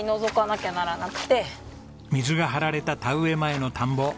水が張られた田植え前の田んぼ。